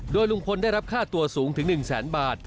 โดยลุงพลได้รับค่าตัวสูงถึง๑แสนบาท